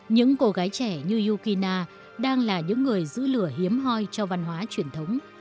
những cô gái trẻ như yukina đang là những người giữ lửa hiếm hoi cho văn hóa truyền thống